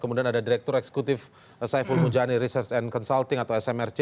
kemudian ada direktur eksekutif saiful mujani research and consulting atau smrc